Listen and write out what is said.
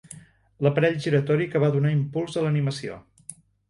L'aparell giratori que va donar impuls a l'animació.